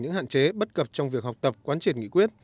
những hạn chế bất cập trong việc học tập quán triển nghị quyết